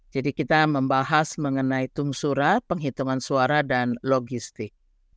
jadi kita membahas mengenai tumsura penghitungan suara dan logistik